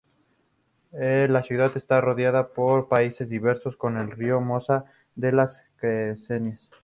La ciudad está rodeada por paisajes diversos, con el río Mosa, en las cercanías.